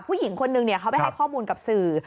ผู้หญิงคนนึงเขาไปให้ข้อมูลกับสื่อ